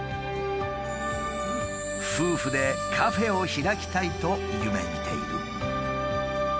夫婦でカフェを開きたいと夢みている。